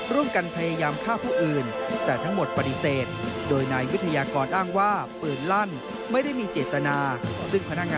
ร่วมกันพยายามฆ่าผู้อื่น